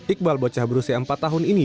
iqbal bocah berusia empat tahun ini